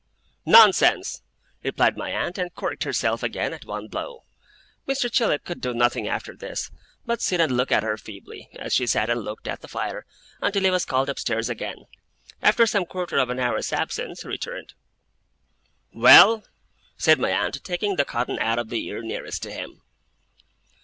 'Nonsense!' replied my aunt, and corked herself again, at one blow. Mr. Chillip could do nothing after this, but sit and look at her feebly, as she sat and looked at the fire, until he was called upstairs again. After some quarter of an hour's absence, he returned. 'Well?' said my aunt, taking the cotton out of the ear nearest to him.